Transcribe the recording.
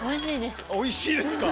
おいしいですか。